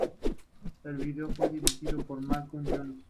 El vídeo fue dirigido por Malcolm Jones.